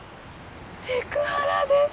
セクハラです。